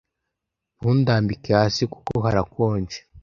ntundambike hasi kuko harakonje